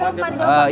pak al terima kasih